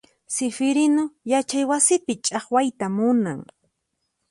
Sifirinu yachay wasipi chaqwayta munan.